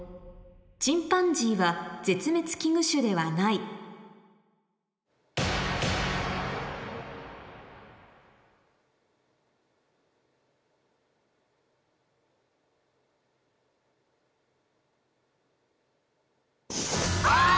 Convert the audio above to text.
チンパンジーは絶滅危惧種ではないあぁ！